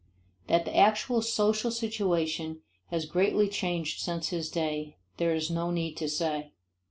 That the actual social situation has greatly changed since his day there is no need to say.